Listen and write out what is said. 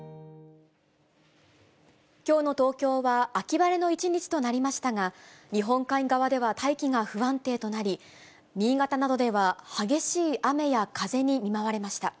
きょうの東京は秋晴れの一日となりましたが、日本海側では大気が不安定となり、新潟などでは激しい雨や風に見舞われました。